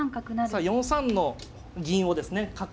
さあ４三の銀をですね角